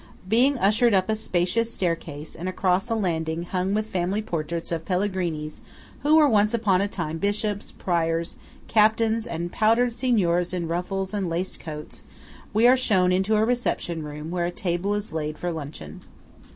Being ushered up a spacious staircase, and across a landing hung with family portraits of Pellegrinis who were once upon a time Bishops, Priors, Captains, and powdered Seigneurs in ruffles and laced coats, we are shown into a reception room where a table is laid for luncheon.